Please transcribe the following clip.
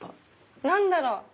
何だろう？